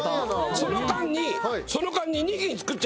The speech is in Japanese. その間にその間に。